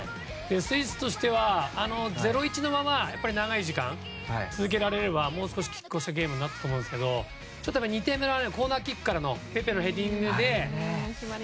スイスとしては０−１のまま長い時間続けられればもう少し拮抗したゲームになったと思うんですけど２点目のコーナーキックからペペのヘディングでね。